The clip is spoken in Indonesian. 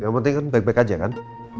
yang penting kan baik baik aja kan